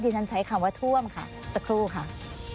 ฉันใช้คำว่าท่วมค่ะสักครู่ค่ะ